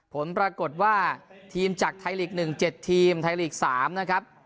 ผลปรากฏว่าทีมจากไทยลีก๑๗ทีมไทยลีก๓นะครับ